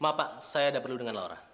maaf pak saya tidak perlu dengan laura